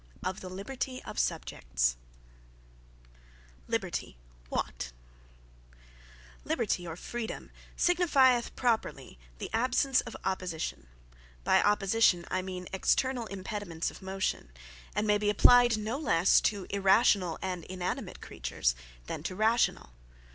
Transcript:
OF THE LIBERTY OF SUBJECTS Liberty What Liberty, or FREEDOME, signifieth (properly) the absence of Opposition; (by Opposition, I mean externall Impediments of motion;) and may be applyed no lesse to Irrational, and Inanimate creatures, than to Rationall.